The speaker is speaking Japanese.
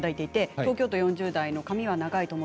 東京都４０代の方です。